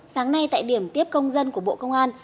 sáng nay tại điểm tiếp công dân của bộ công an